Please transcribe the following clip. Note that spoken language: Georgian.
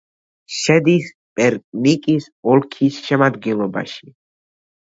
შედის პერნიკის ოლქის შემადგენლობაში.